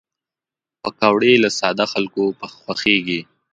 پکورې له ساده خلکو خوښېږي